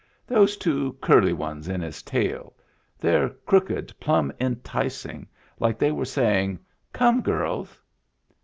"Those two curly ones in his tail. They're crooked plumb enticing, like they were saying, 'Come, girls!'"